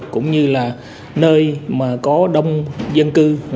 cũng như là nơi mà có đông dân